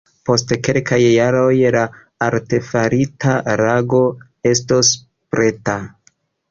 Post kelkaj jaroj la artefarita lago estos preta.